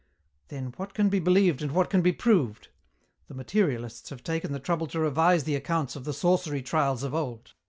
Then, what can be believed and what can be proved? The materialists have taken the trouble to revise the accounts of the sorcery trials of old.